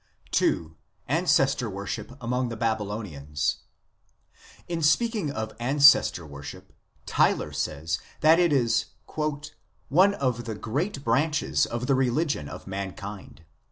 II. ANCESTOR WORSHIP AMONG THE BABYLONIANS In speaking of Ancestor worship Tylor says that it is " one of the great branches of the religion of mankind.